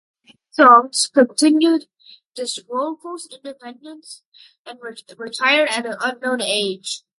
These Ansons continued this role post-independence and were retired at an unknown date.